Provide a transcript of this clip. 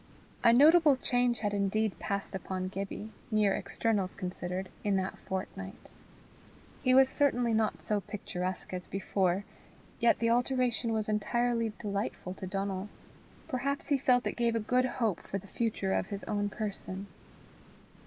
A notable change had indeed passed upon Gibbie, mere externals considered, in that fortnight. He was certainly not so picturesque as before, yet the alteration was entirely delightful to Donal. Perhaps he felt it gave a good hope for the future of his own person.